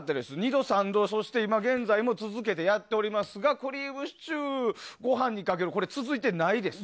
２度、３度、そして今現在も続けてやっておりますがクリームシチューをご飯にかけるのは続いてないです。